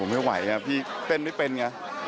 ไม่ไหวพี่เต้นไม่เป็นไง